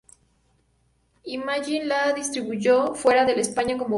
Imagine la distribuyó fuera de España como Basket Master.